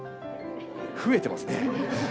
増えてますね。